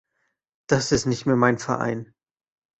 Das ist nicht mehr mein Verein!